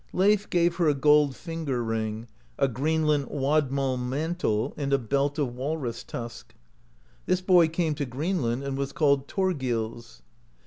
Leif gave her a gold finger ring, a Greenland wadmal mantle, and a belt of walrus tusk. This boy came to Greenland, and was called Thorgils.